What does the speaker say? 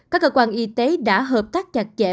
các cơ quan y tế đã hợp tác chặt chẽ